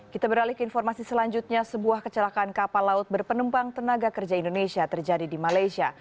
kita beralih ke informasi selanjutnya sebuah kecelakaan kapal laut berpenumpang tenaga kerja indonesia terjadi di malaysia